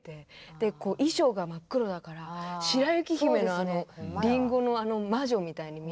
でこう衣装が真っ黒だから白雪姫のあのリンゴの魔女みたいに見えて。